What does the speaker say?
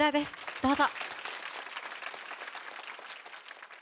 どうぞ。